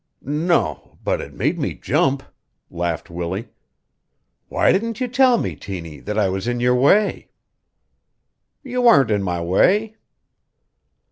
"N o, but it made me jump," laughed Willie. "Why didn't you tell me, Tiny, that I was in your way?" "You warn't in my way."